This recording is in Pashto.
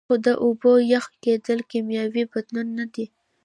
خو د اوبو یخ کیدل کیمیاوي بدلون نه دی